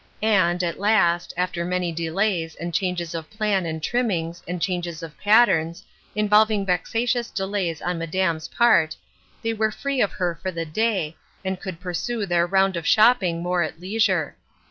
And, at last, after many delays, and changes of plan and trimmings, and changes of patterns, involving vexatious delays on "Madame's" part, they were free of her for the day, and could puisue their round of shopping more at leisure.